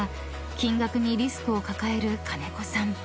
金額にリスクを抱える金子さん］